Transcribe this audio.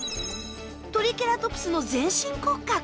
トリケラトプスの全身骨格。